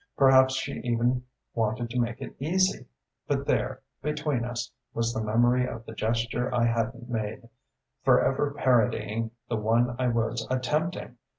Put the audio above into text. Perhaps she even wanted to make it easy. But there, between us, was the memory of the gesture I hadn't made, forever parodying the one I was attempting!